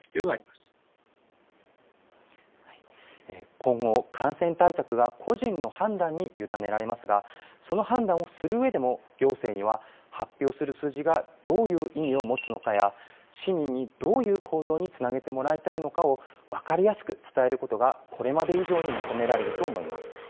今後、感染対策が個人の判断に委ねられますが、その判断をするうえでも、行政には発表する数字がどういう意味を持つのかや、市民にどういう行動につなげてもらいたいのかを分かりやすく伝えることがこれまで以上に求められると思います。